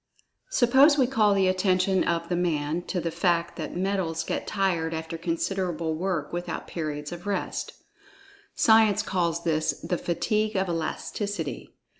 Suppose we call the attention of "the man"[Pg 43] to the fact that metals get tired after considerable work without periods of rest. Science calls this the "fatigue of elasticity."